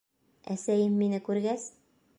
Әсәйем мине күргәс: